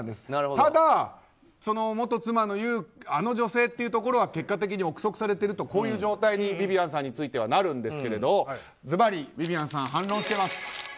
ただ、元妻の言うあの女性というところは結果的に憶測されているとこういう状態にビビアンさんについてはなるんですけどずばりビビアンさん反論しています。